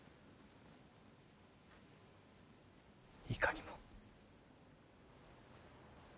いかにも。